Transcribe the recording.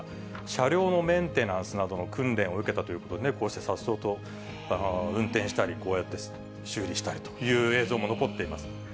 車両のメンテナンスなどの訓練を受けたということで、こうしてさっそうと運転したり、こうやって修理したりという映像も残っています。